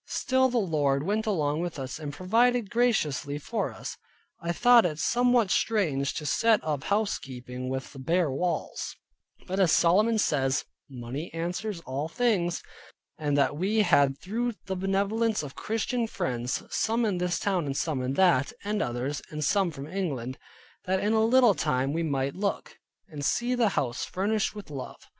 Still the Lord went along with us, and provided graciously for us. I thought it somewhat strange to set up house keeping with bare walls; but as Solomon says, "Money answers all things" and that we had through the benevolence of Christian friends, some in this town, and some in that, and others; and some from England; that in a little time we might look, and see the house furnished with love.